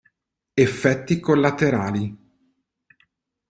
Effetti collaterali.